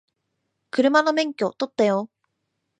車の免許取ったよ